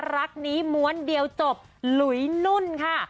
รักนี้ม้วนเดียวจบหลุยนุ่นค่ะ